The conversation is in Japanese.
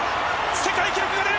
世界記録が出る！